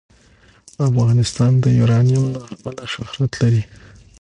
افغانستان د یورانیم له امله شهرت لري.